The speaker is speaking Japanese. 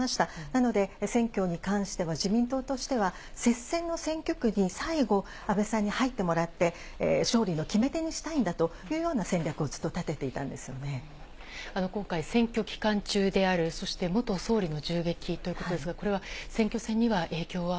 なので、選挙に関しては自民党としては接戦の選挙区に最後、安倍さんに入ってもらって、勝利の決め手にしたいんだというような戦略をずっと立てていたん今回、選挙期間中である、そして、元総理の銃撃ということですが、そうですね。